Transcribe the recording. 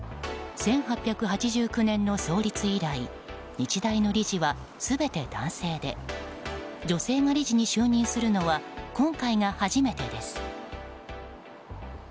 １８８９年の創立以来日大の理事は全て男性で女性が理事に就任するのは今回が初めてです。